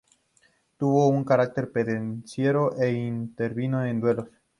Tuvo un carácter pendenciero e intervino en duelos.